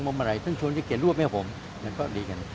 มมลัยท่านชวนเย็นเกียร์ร่วมให้ผมมันก็ดีกัน